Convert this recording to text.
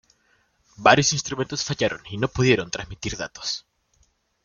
Varios instrumentos fallaron y no pudieron transmitir datos.